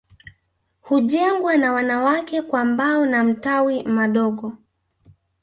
Hujengwa na wanawake kwa mbao na mtawi madogo